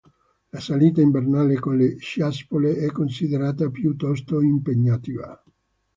La salita invernale con le ciaspole è considerata piuttosto impegnativa.